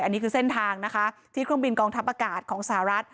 อันนี้คือเส้นทางนะคะที่เครื่องบินกองทัพอากาศของสหรัฐ